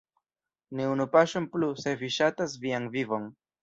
Ne unu paŝon plu, se vi ŝatas vian vivon!